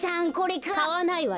かわないわよ。